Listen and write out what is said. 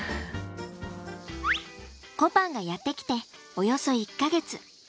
こぱんがやって来ておよそ１か月。